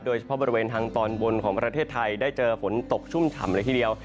โดยเฉพาะประเภงทางตอนบนของประเทศไทย